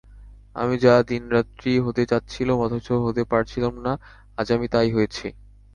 আমি যা দিন-রাত্রি হতে চাচ্ছিলুম অথচ হতে পারছিলুম না, আজ আমি তাই হয়েছি।